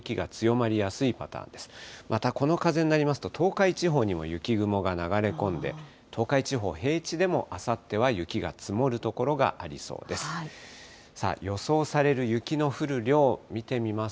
またこの風になりますと、東海地方にも雪雲が流れ込んで、東海地方、平地でもあさっては雪が積もる所がありそうです。